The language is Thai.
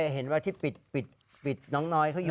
เห็นว่าที่ปิดน้องน้อยเขาอยู่